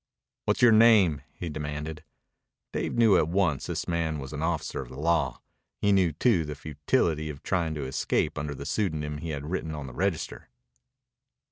"What's your name?" he demanded. Dave knew at once this man was an officer of the law. He knew, too, the futility of trying to escape under the pseudonym he had written on the register.